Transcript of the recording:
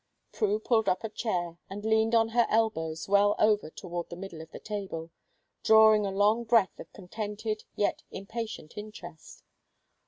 Prue pulled up a chair, and leaned on her elbows well over toward the middle of the table, drawing a long breath of contented yet impatient interest.